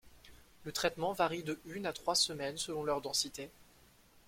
Le traitement varie de une à trois semaines selon leur densité.